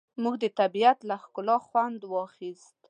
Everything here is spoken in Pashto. موږ د طبیعت له ښکلا خوند واخیست.